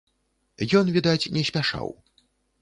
Ён, відаць, не спяшаў.